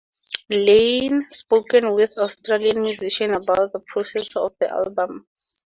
Lane spoke with Australian Musician about the process for the album.